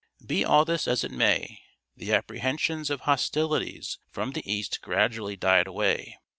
Be all this as it may, the apprehensions of hostilities from the east gradually died away.